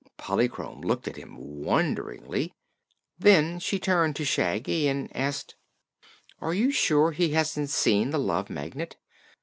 Polychrome looked at him wonderingly. Then she turned to Shaggy and asked: "Are you sure he hasn't seen the Love Magnet?"